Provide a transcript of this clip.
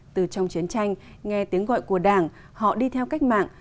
từ trong chiến tranh nghe tiếng gọi của đảng họ đi theo cách mạng